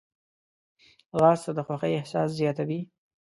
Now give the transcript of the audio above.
ځغاسته د خوښۍ احساس زیاتوي